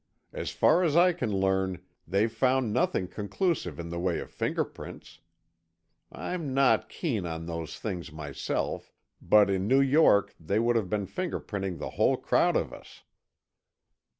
As far as I can learn, they've found nothing conclusive in the way of fingerprints. I'm not keen on those things myself, but in New York they would have been fingerprinting the whole crowd of us."